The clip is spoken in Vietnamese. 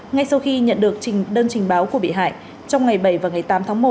ngay sau khi nhận được trình đơn trình báo của bị hại trong ngày bảy và ngày tám tháng một